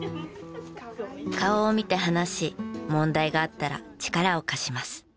顔を見て話し問題があったら力を貸します。